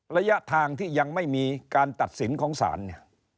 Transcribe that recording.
ระยะทางที่ยังไม่มีการตัดสินของศาลเนี่ย